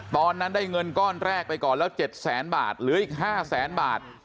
ตอนนั้นได้เงินจ้อนแรกไปก่อนแล้ว๗๐๐๐๐๐บาทหรืออีก๕๐๐๐๐๐บาท